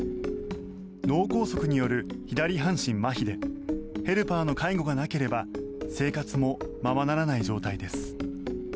脳梗塞による左半身まひでヘルパーの介護がなければ生活もままならない状態です。